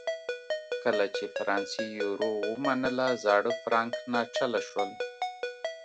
کله چې فرانسې یورو ومنله زاړه فرانک ناچله شول.